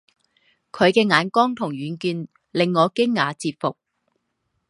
他的眼光与远见让我惊讶折服